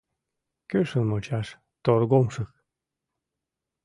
Кӱшыл мучаш торгомшык